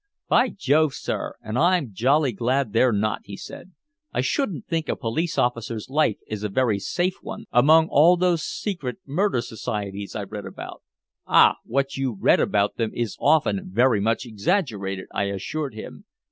"By Jove, sir, and I'm jolly glad they're not!" he said. "I shouldn't think a police officer's life is a very safe one among all those secret murder societies I've read about." "Ah! what you read about them is often very much exaggerated," I assured him.